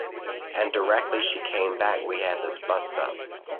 And directly she came back we had this bust-up.